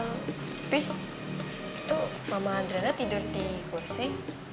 tapi itu mama adriana tidur di kursi